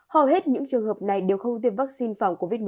hầu hết những trường hợp này đều không tiêm vaccine phòng covid một mươi chín